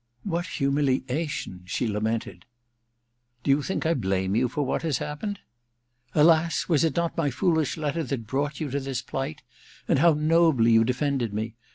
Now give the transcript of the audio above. ^ What humiliation !' she lamented. * Do you think I blame you for what has happened ?' *Alas, was it not my foolish letter that brought you to this plight ? And how nobly you defended me